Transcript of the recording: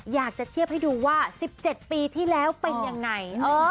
อยากจะเทียบให้ดูว่า๑๗ปีที่แล้วเป็นยังไง